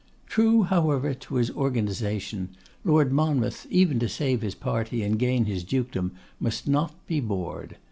True, however, to his organisation, Lord Monmouth, even to save his party and gain his dukedom, must not be bored.